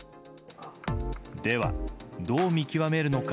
では、どう見極めるのか。